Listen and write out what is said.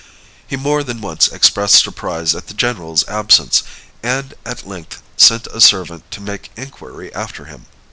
He more than once expressed surprise at the general's absence, and at length sent a servant to make inquiry after him.